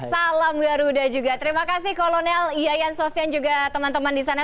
salam garuda juga terima kasih kolonel yayan sofian juga teman teman di sana